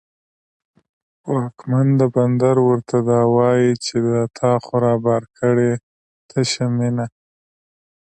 واکمن د بندر ورته دا وايي، چې دا تا خو رابار کړې تشه مینه